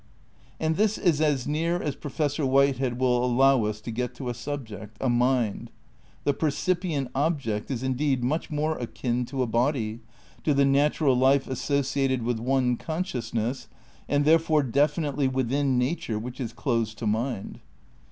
And this is as near as Professor Whitehead will allow us to get to a subject, a mind. The '' percipient object" is indeed much more akin to a body, to '' the natural life associated with one consciousness," and therefore definitely within nature which is '' closed to mind.